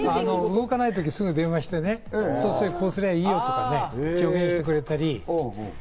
動かないとき、すぐ電話したら、こうしたらいいよとか教えてくれたり。